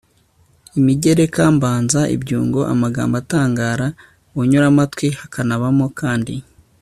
imigereka, mbanza, ibyungo, amagambo atangara, ubunyuramatwi, hakanabamo kandi